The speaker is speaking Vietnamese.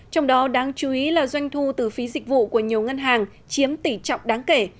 trong đó đáng chú ý là doanh thu từ phí dịch vụ của nhiều ngân hàng chiếm tỷ trọng đáng kể